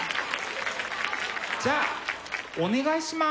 じゃあお願いします。